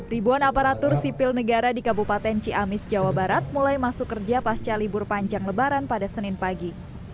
ribuan aparatur sipil negara di kabupaten ciamis jawa barat mulai masuk kerja pasca libur panjang lebaran pada senin pagi